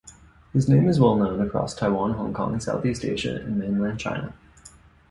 His name is well known across Taiwan, Hong Kong, Southeast Asia and mainland China.